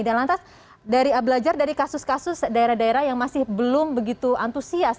dan lantas dari belajar dari kasus kasus daerah daerah yang masih belum begitu antusias